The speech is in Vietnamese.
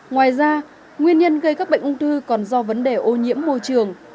ngoài ra nguyên nhân gây các bệnh ung thư còn do vấn đề ô nhiễm môi trường